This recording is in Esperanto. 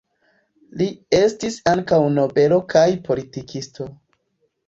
Li estis ankaŭ nobelo kaj politikisto.